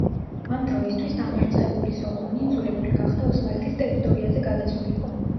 ამ დროისთვის დამარცხებული სოლომონი იძულებული გახდა ოსმალეთის ტერიტორიაზე გადასულიყო.